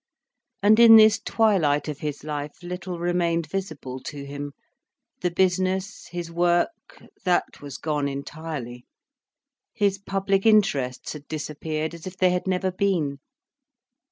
And in this twilight of his life little remained visible to him. The business, his work, that was gone entirely. His public interests had disappeared as if they had never been.